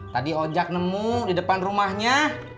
tadi ojek nemu di depan rumahnya